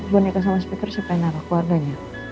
gue nanya sama speaker siapa yang naruh keluarganya